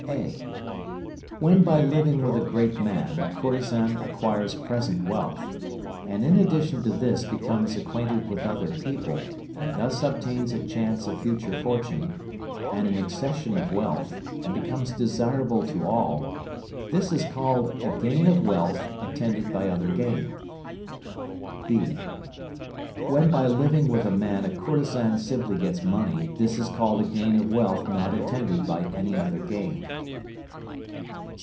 (a). When by living with a great man a courtesan acquires present wealth, and in addition to this becomes acquainted with other people, and thus obtains a chance of future fortune, and an accession of wealth, and becomes desirable to all, this is called a gain of wealth attended by other gain. (b). When by living with a man a courtesan simply gets money, this is called a gain of wealth not attended by any other gain.